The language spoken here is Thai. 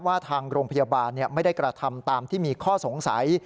ทางโรงพยาบาลไม่ได้กระทำตามที่มีข้อสงสัย